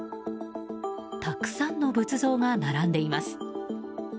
たくさんの仏像が並んでいます。